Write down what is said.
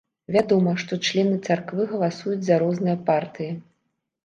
Вядома, што члены царквы галасуюць за розныя партыі.